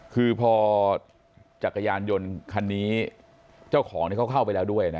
คือพอจักรยานยนต์คันนี้เจ้าของเขาเข้าไปแล้วด้วยนะ